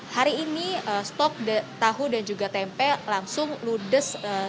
hari ini stok tahu dan juga tempe langsung ludes